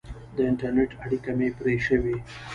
د انټرنېټ اړیکه مې پرې شوې.